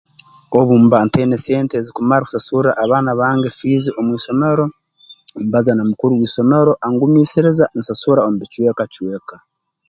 Obu mba ntaine sente ezikumara kusasurra abaana bange fiizi omu isomero mbaza na mukuru w'isomero angumiisiriza nsasura omu bicweka cweka